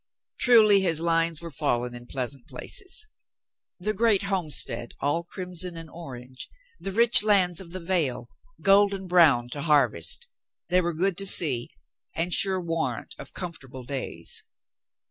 Truly his lines were fallen in pleasant places. The great homestead, all crimson and orange, the rich lands of the vale, golden brown to harvest, they were good to see and sure warrant of comfortable days.